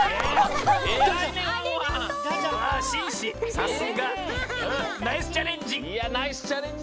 さすが！ナイスチャレンジ！